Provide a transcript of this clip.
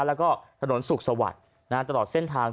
แล้วก็ถนนสุขสวัสดิ์ตลอดเส้นทาง